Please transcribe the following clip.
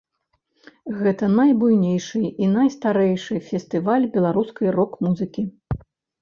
Гэта найбуйнейшы і найстарэйшы фестываль беларускай рок-музыкі.